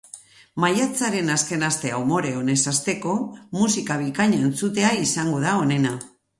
Maiatzaren azken astea umore onez hasteko, musika bikaina entzutea izango da onena.